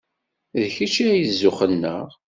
D kečč ay d zzux-nneɣ.